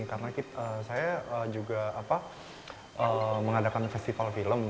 karena saya juga mengadakan festival film